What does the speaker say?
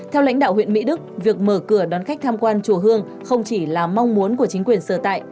theo lãnh đạo huyện mỹ đức việc mở cửa đón khách tham quan chùa hương không chỉ là mong muốn của chính quyền sở tại